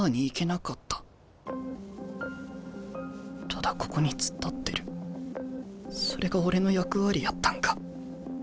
ただここに突っ立ってるそれが俺の役割やったんか。